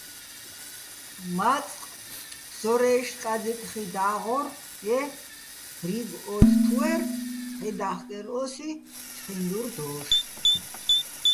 მაწყ ზორაჲში̆ კაძიკ ხი და́ღორ-ე რიგ ოთთუ́ერ, ჺედა́ხკერ ო́სი ჩხინდურ დოშ.